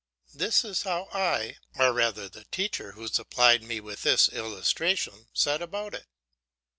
This is how I, or rather how the teacher who supplied me with this illustration, set about it.